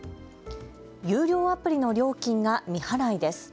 有料アプリの料金が未払いです。